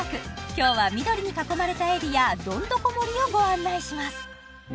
今日は緑に囲まれたエリアどんどこ森をご案内します